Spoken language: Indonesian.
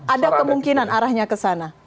ada kemungkinan arahnya ke sana